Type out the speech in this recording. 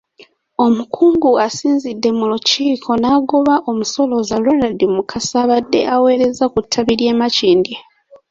Omukungu asinzidde mu lukiiko n'agoba omusolooza Ronald Mukasa abadde aweerereza ku ttabi ly’e Makindye.